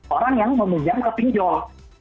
orang yang meminjam ke pinjol